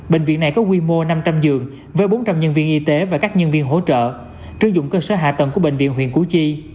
bệnh viện này có quy mô năm trăm linh giường với bốn trăm linh nhân viên y tế và các nhân viên hỗ trợ sử dụng cơ sở hạ tầng của bệnh viện huyện củ chi